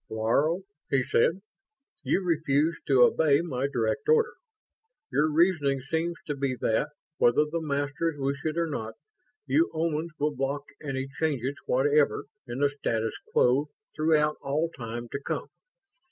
"Laro," he said, "you refused to obey my direct order. Your reasoning seems to be that, whether the Masters wish it or not, you Omans will block any changes whatever in the status quo throughout all time to come.